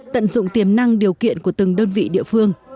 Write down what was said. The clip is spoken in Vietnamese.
tận dụng tiềm năng điều kiện của từng đơn vị địa phương